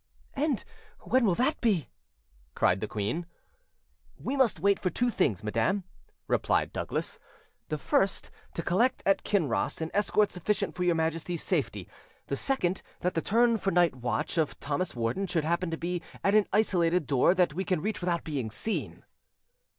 "And when will that be?" cried the queen. "We must wait for two things, madam," replied Douglas: "the first, to collect at Kinross an escort sufficient for your Majesty's safety; the second, that the turn for night watch of Thomas Warden should happen to be at an isolated door that we can reach without being seen."